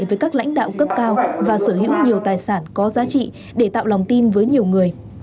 với các lãnh đạo cấp cao và sở hữu nhiều tài sản có giá trị để tạo lòng tin với nhiều người